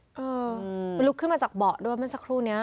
เออลูกขึ้นมาจากเบาะด้วยมันสักครู่นี้